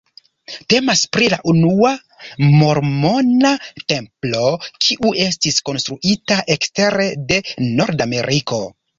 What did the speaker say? Temas pri la unua mormona templo, kiu estis konstruita ekstere de Nordameriko.